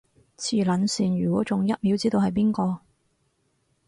磁能線，如果中，一秒知道係邊個